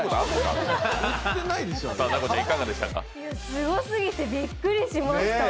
すごすぎてびっくりしました。